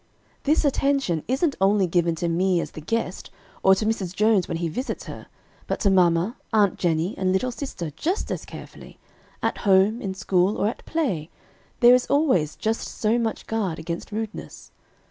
"This attention isn't only given to me as the guest, or to Mrs. Jones when he visits her, but to mamma, Aunt Jenny, and little sister, just as carefully; at home, in school, or at play, there is always just so much guard against rudeness.